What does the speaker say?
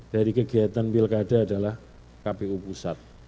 dari kegiatan pilkada adalah kpu pusat